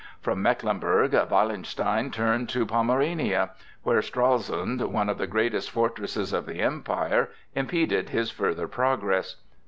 From Mecklenburg Wallenstein turned to Pomerania, where Stralsund, one of the greatest fortresses of the Empire, impeded his further progress.